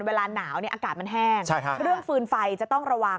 เวลาหนาวอากาศมันแห้งเรื่องฟืนไฟจะต้องระวัง